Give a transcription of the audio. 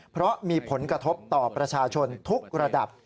เพราะมีผลกระทบต่อประชาชนทุกระดับ